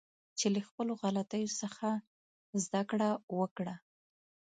چې له خپلو غلطیو څخه زده کړه وکړه